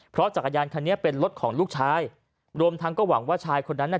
เพราะจักรยานคันนี้เป็นรถของลูกชายรวมทั้งก็หวังว่าชายคนนั้นน่ะ